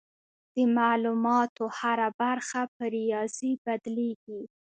د معلوماتو هره برخه په ریاضي بدلېږي.